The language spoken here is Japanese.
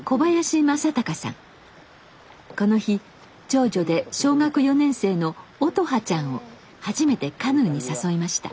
この日長女で小学４年生の音葉ちゃんを初めてカヌーに誘いました。